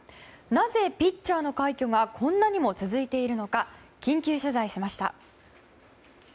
なぜ、ピッチャーの快挙がこんなにも続いているのか緊急取材しました。